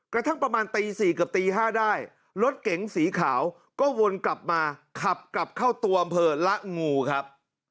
กระทั่งประมาณตี๔เกือบตี๕ได้รถเก๋งสีขาวก็วนกลับมาขับกลับเข้าตัวอำเภอละงูครับ